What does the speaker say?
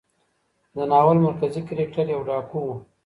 د ناول مرکزي کرکټر يو ډاکو و.